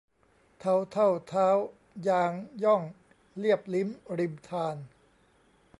เทาเท่าเท้ายางหย้อง เลียบลิ้มริมธาร